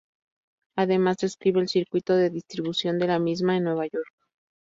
Además, describe el circuito de distribución de la misma en New York.